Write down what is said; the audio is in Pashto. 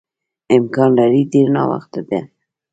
امکان لري ډېر ناوخته ده.